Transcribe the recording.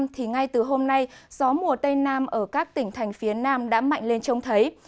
thì ngay từ hôm nay gió mùa tây nam ở các tỉnh thành phía nam đã mạnh lên trông thấy